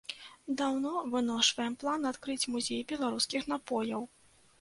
Даўно выношваем план адкрыць музей беларускіх напояў.